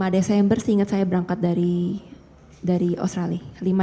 lima desember seingat saya berangkat dari australia